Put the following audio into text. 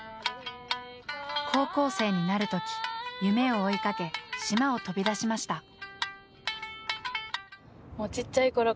高校生になる時夢を追いかけ島を飛び出しました。